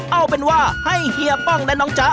เอาเป็นว่าให้เฮียป้องและน้องจ๊ะ